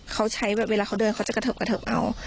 เขาใช้เวลาเขาเดินเขาจะกระเทิบกระเทิบเอา